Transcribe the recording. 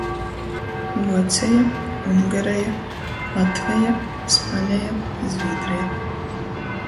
Vuoceja, Ungareja, Latveja, Spaneja, Zvīdreja.